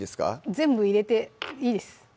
全部入れていいです